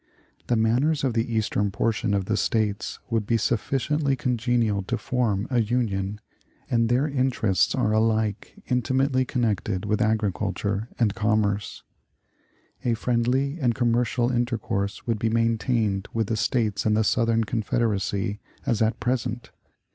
The manners of the Eastern portion of the States would be sufficiently congenial to form a Union, and their interests are alike intimately connected with agriculture and commerce. A friendly and commercial intercourse would be maintained with the States in the Southern Confederacy as at present.